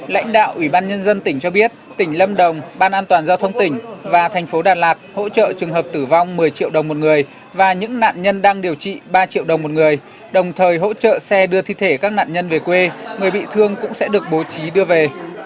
lãnh đạo ủy ban nhân dân tỉnh cho biết tỉnh lâm đồng ban an toàn giao thông tỉnh và thành phố đà lạt hỗ trợ trường hợp tử vong một mươi triệu đồng một người và những nạn nhân đang điều trị ba triệu đồng một người đồng thời hỗ trợ xe đưa thi thể các nạn nhân về quê người bị thương cũng sẽ được bố trí đưa về